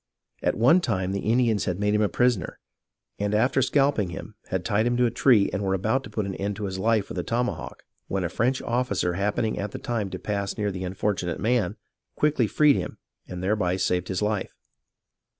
At one time the Indians had made him a prisoner, and after scalping him had tied him to a tree and were about to put an end to his life with a tomahawk when a French officer happening at the time to pass near the unfortunate man, quickly freed him and thereby saved his life.